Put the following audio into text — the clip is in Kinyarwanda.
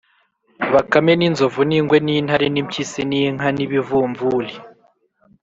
bakame n’inzovu n’ingwe n’intare n’impyisi n’inka n’ibivumvuli